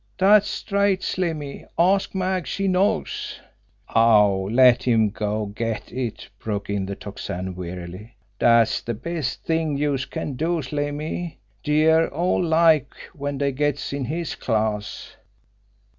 Dat's straight, Slimmy ask Mag, she knows." "Aw, let him go get it!" broke in the Tocsin wearily. "Dat's de best t'ing youse can do, Slimmy dey're all alike when dey gets in his class."